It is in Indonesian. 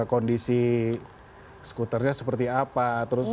kondisi scooternya seperti apa terus